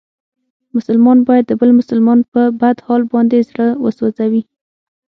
مسلمان باید د بل مسلمان په بد حال باندې زړه و سوځوي.